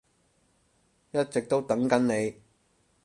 一直都等緊你